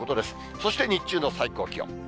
そして日中の最高気温。